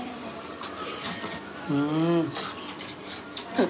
うん。